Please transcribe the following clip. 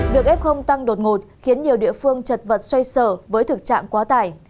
việc f tăng đột ngột khiến nhiều địa phương chật vật xoay sở với thực trạng quá tải